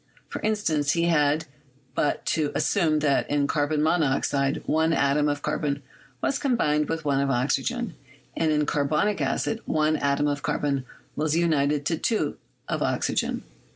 For instance, he had but to assume that in carbon monoxide one atom of carbon was combined with one of oxygen, and in carbonic acid one atom of carbon was united to two of oxygen.